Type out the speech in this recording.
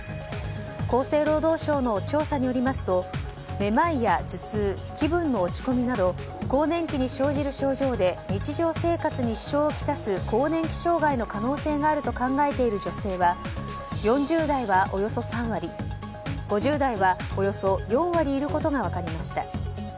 厚生労働省の調査によりますとめまいや頭痛気分の落ち込みなど更年期に生じる症状で日常生活に支障を来す更年期障害の可能性があると考えている女性は４０代はおよそ３割５０代はおよそ４割いることが分かりました。